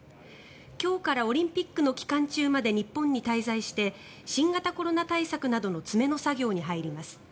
今日からオリンピックの期間中まで日本に滞在して新型コロナ対策などの詰めの作業に入ります。